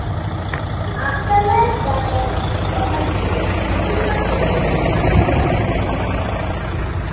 "After life" গানের কথাগুলি ভবিষ্যৎ এবং পুনরায় জন্ম সম্পর্কে।